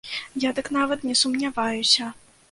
Я дык нават не сумняваюся!